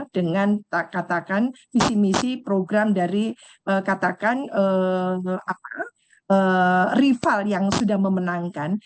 dengan katakan visi misi program dari katakan rival yang sudah memenangkan